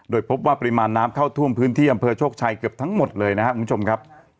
โดยพบว่าปริมาณน้ำเข้าท่วมพื้นที่อำเภอโชคชัยเกือบทั้งหมดเลยนะครับคุณผู้ชมครับ